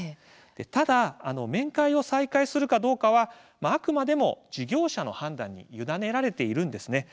ただ面会を再開するかどうかはあくまでも事業者の判断に委ねられているんです。